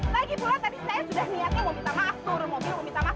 lagi pula tadi saya sudah niatnya mau minta maaf turun mobil minta maaf